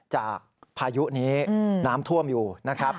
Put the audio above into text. พายุนี้น้ำท่วมอยู่นะครับ